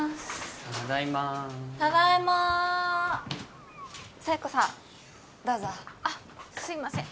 ただいまただいま佐弥子さんどうぞあっすいません